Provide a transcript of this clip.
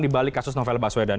di balik kasus novel baswedan